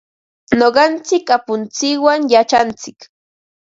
Nuqanchik apuntsikwan yachantsik.